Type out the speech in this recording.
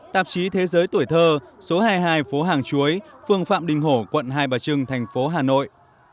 tạp chí thế giới tuổi thơ số hai mươi hai phố hàng chuối phương phạm đình hổ quận hai bà trưng thành phố hà nội